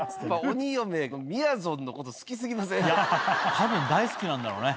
多分大好きなんだろうね。